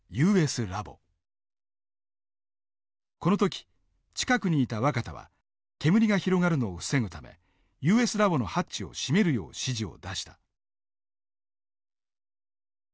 この時近くにいた若田は煙が広がるのを防ぐためＵＳラボのハッチを閉めるよう指示を出した。